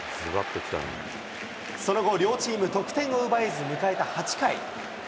その後両チーム得点を奪えず迎えた８回。